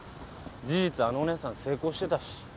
事実あのお義姉さん成功してたし。